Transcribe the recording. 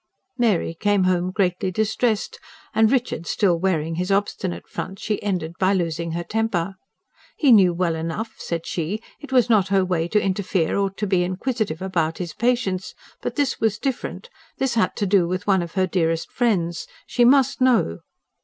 Mary came home greatly distressed, and, Richard still wearing his obstinate front, she ended by losing her temper. He knew well enough, said she, it was not her way to interfere or to be inquisitive about his patients; but this was different; this had to do with one of her dearest friends; she must know.